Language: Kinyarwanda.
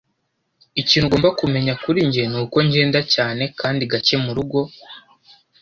Ikintu ugomba kumenya kuri njye nuko ngenda cyane kandi gake murugo.